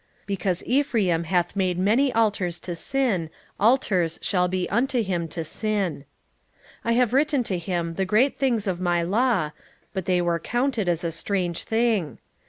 8:11 Because Ephraim hath made many altars to sin, altars shall be unto him to sin. 8:12 I have written to him the great things of my law, but they were counted as a strange thing.